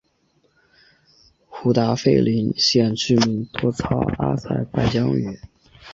胡达费林县居民多操阿塞拜疆语。